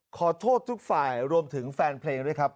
ขอโทษทุกฝ่ายรวมถึงแฟนเพลงด้วยครับ